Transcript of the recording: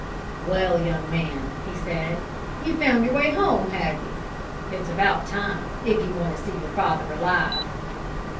"Well, young man," he said, "you've found your way home, have you? It's about time, if you want to see your father alive!"